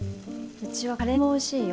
うちはカレーもおいしいよ。